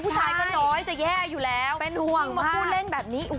ผู้ชายก็น้อยจะแย่อยู่แล้วเป็นห่วงมาพูดเล่นแบบนี้